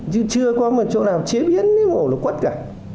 chứ chưa có một chỗ nào chế biến cái quất cả